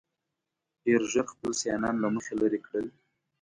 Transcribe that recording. ډېر ژر خپل سیالان له مخې لرې کړل.